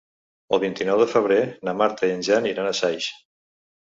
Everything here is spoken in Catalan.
El vint-i-nou de febrer na Marta i en Jan iran a Saix.